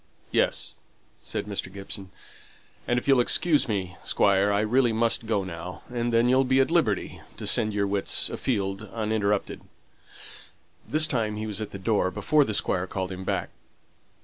"Yes," said Mr. Gibson, "and if you will excuse me, Squire, I really must go now, and then you'll be at liberty to send your wits afield uninterrupted." This time he was at the door before the Squire called him back.